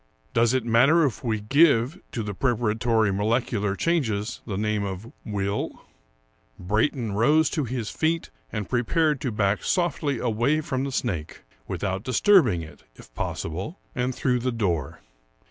Does it matter if we give to the preparatory molecular changes the name of will ? Brayton rose to his feet and prepared to back softly away from the snake, without disturbing it, if possible, and through the door.